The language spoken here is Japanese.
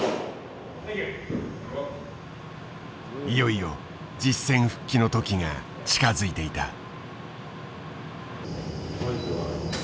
いよいよ実戦復帰の時が近づいていた。